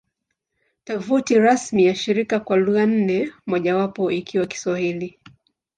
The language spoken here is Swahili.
Tovuti rasmi ya shirika kwa lugha nne, mojawapo ikiwa Kiswahili